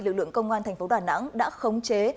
lực lượng công an tp đà nẵng đã khống chế